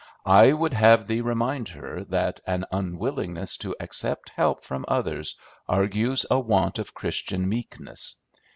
I would have thee remind her that an unwillingness to accept help from others argues a want of Christian Meekness.